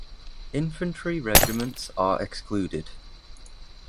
Infantry regiments are excluded.